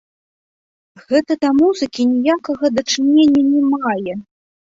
Гэта да музыкі ніякага дачынення не мае!